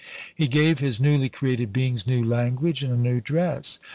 He gave his newly created beings new language and a new dress.